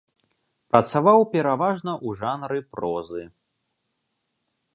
Працаваў пераважна ў жанры прозы.